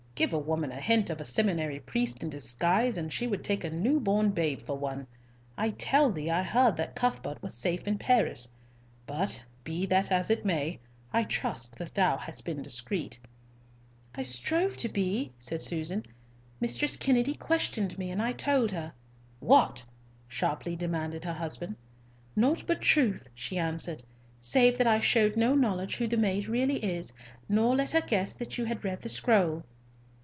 "Give a woman a hint of a seminary priest in disguise, and she would take a new born baby for one. I tell thee I heard that Cuthbert was safe in Paris. But, be that as it may, I trust thou hast been discreet." "So I strove to be," said Susan. "Mrs. Kennedy questioned me, and I told her." "What?" sharply demanded her husband. "Nought but truth," she answered, "save that I showed no knowledge who the maid really is, nor let her guess that you had read the scroll."